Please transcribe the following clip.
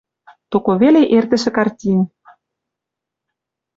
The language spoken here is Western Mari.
Токо веле эртӹшӹ картин.